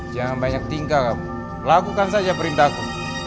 jangan banyak tingkah kamu lakukan saja perintahku